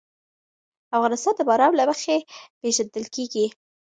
افغانستان د باران له مخې پېژندل کېږي.